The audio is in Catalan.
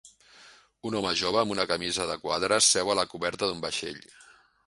Un home jove amb una camisa de quadres seu a la coberta d'un vaixell.